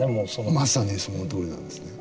まさにそのとおりなんですね。